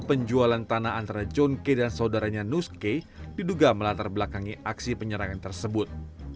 penjualan tanah antara john k dan saudaranya nus k diduga melatar belakangi aksi penyerangan tersebut